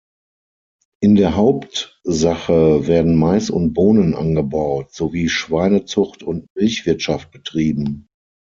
In der Hauptsache werden Mais und Bohnen angebaut, sowie Schweinezucht und Milchwirtschaft betrieben.